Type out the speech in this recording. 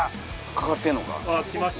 かかってんのか？